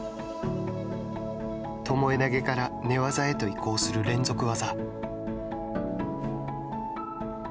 巴投げから寝技へと移行する連続技。